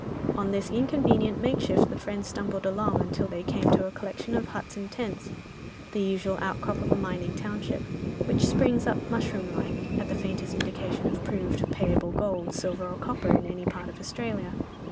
On this inconvenient makeshift the friends stumbled along until they came to a collection of huts and tents, the usual outcrop of a mining township, which springs up, mushroom like, at the faintest indication of proved, payable gold, silver or copper in any part of Australia.